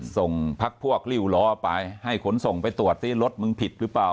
ส่งพักพวกริ้วล้อไปให้ขนส่งไปตรวจซิรถมึงผิดหรือเปล่า